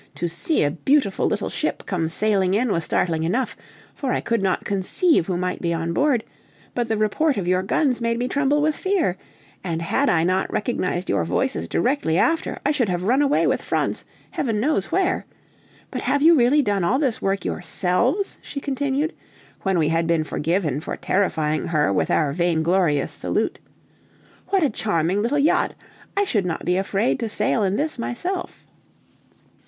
To see a beautiful little ship come sailing in was startling enough, for I could not conceive who might be on board, but the report of your guns made me tremble with fear and had I not recognized your voices directly after, I should have run away with Franz Heaven knows where! But have you really done all this work yourselves?" she continued, when we had been forgiven for terrifying her with our vainglorious salute. "What a charming little yacht! I should not be afraid to sail in this myself."